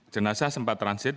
jenazah sempat transit